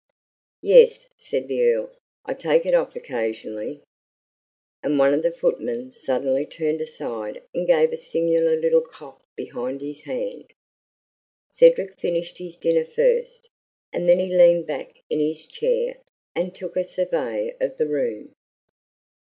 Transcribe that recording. "Yes," said the Earl, "I take it off occasionally." And one of the footmen suddenly turned aside and gave a singular little cough behind his hand. Cedric finished his dinner first, and then he leaned back in his chair and took a survey of the room.